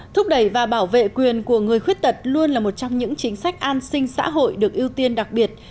thúc đẩy và bảo vệ quyền của người khuyết tật luôn là một trong những chính sách an sinh xã hội được ưu tiên đặc biệt